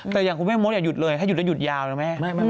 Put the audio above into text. แต่อย่างคุณแม่มดอย่าหยุดเลยถ้าหยุดแล้วหยุดยาวนะแม่